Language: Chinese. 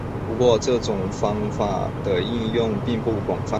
不过这种方法的应用并不广泛。